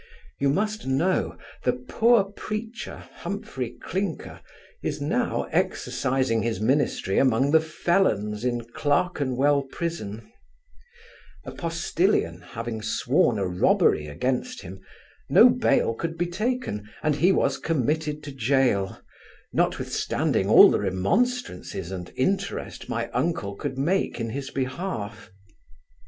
You must know, the poor preacher, Humphry Clinker, is now exercising his ministry among the felons in Clerkenwell prison A postilion having sworn a robbery against him, no bail could be taken, and he was committed to jail, notwithstanding all the remonstrances and interest my uncle could make in his behalf.